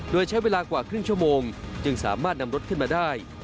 โดยใช้เวลากว่าครึ่งชั่วโมงจึงสามารถนำรถขึ้นมาได้